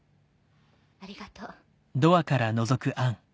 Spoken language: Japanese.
ありがとう。